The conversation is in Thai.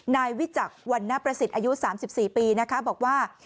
นายวิจักรวรรณประสิทธิ์อายุ๓๔ปีนะคะบอกว่า